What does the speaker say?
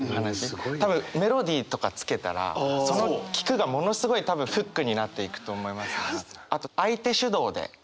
多分メロディーとかつけたらその「聞く」がものすごい多分フックになっていくと思いますね。